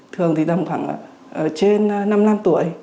thường thì tầm khoảng trên năm năm tuổi